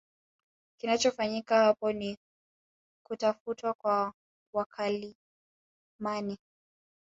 Kinachofanyika apo ni kutafutwa kwa wakalimani